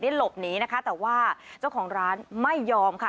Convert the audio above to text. หลบหนีนะคะแต่ว่าเจ้าของร้านไม่ยอมค่ะ